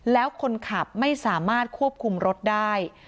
แล้วคนขับไม่สามารถควบคุมรถได้